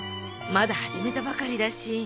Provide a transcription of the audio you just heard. まだ始めたばかりだし。